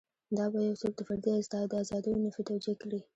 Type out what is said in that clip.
دا به یو څوک د فردي ازادیو نفي توجیه کړي.